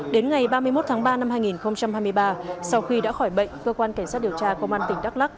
đến ngày ba mươi một tháng ba năm hai nghìn hai mươi ba sau khi đã khỏi bệnh cơ quan cảnh sát điều tra công an tỉnh đắk lắc